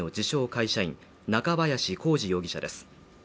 会社員中林航治容疑者です。